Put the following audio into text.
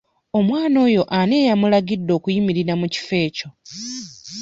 Omwana oyo ani yamulagidde okuyimirira mu kifo ekyo?